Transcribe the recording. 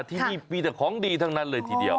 ที่นี่มีแต่ของดีทั้งนั้นเลยทีเดียว